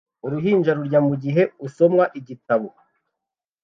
Uruhinja rurya mugihe usomwa igitabo